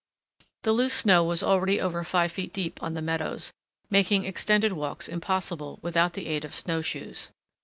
The loose snow was already over five feet deep on the meadows, making extended walks impossible without the aid of snow shoes.